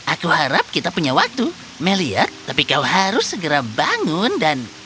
aku harap kita punya waktu melia tapi kau harus segera bangun dan